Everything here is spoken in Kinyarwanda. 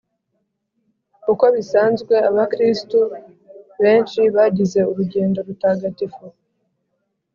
’uko bisanzwe abakristu benshi bagize urugendo rutagatifu